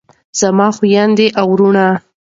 زما خویندو او وروڼو.